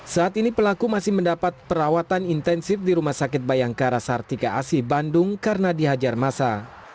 saat ini pelaku masih mendapat perawatan intensif di rumah sakit bayangkara sartika asi bandung karena dihajar masa